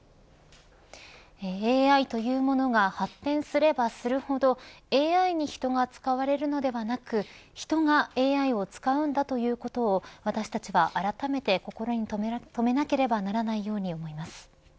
ＡＩというものが発展すればするほどＡＩに人が使われるのではなく人がＡＩを使うんだということを私たちはあらためて心に留めなければならないように思います。